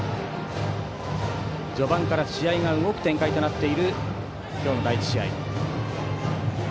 序盤から試合が動く展開になっている今日の第１試合。